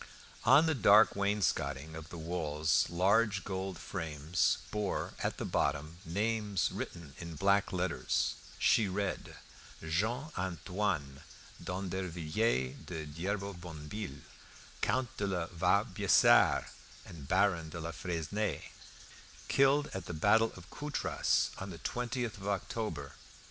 On the dark wainscoting of the walls large gold frames bore at the bottom names written in black letters. She read: "Jean Antoine d'Andervilliers d'Yvervonbille, Count de la Vaubyessard and Baron de la Fresnay, killed at the battle of Coutras on the 20th of October, 1587."